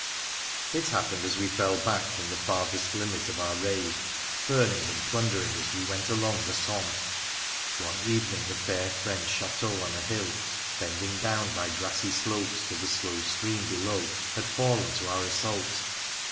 It happened as we fell back from the farthest limit of our raid, burning and plundering as we went along the Somme. One evening a fair French chateau on a hill, bending down by grassy slopes to the slow stream below, had fallen to our assault.